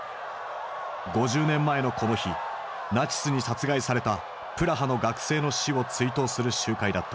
５０年前のこの日ナチスに殺害されたプラハの学生の死を追悼する集会だった。